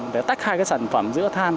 để tách hai cái sản phẩm giữa than